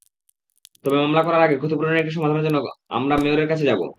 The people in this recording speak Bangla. তবে মামলা করার আগে ক্ষতিপূরণের একটি সমাধানের জন্য আমরা মেয়রের কাছে যাব।